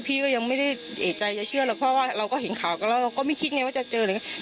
พี่ก็ยังไม่ได้เอกใจจะเชื่อหรอกเพราะว่าเราก็เห็นข่าวกันแล้วเราก็ไม่คิดไงว่าจะเจออะไรอย่างนี้